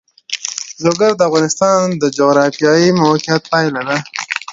لوگر د افغانستان د جغرافیایي موقیعت پایله ده.